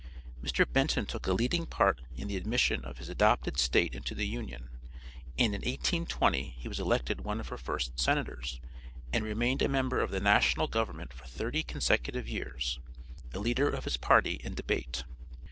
Mr. Benton took a leading part in the admission of his adopted State into the Union, and in 1820 he was elected one of her first senators, and remained a member of the national government for thirty consecutive years; a leader of his party in debate.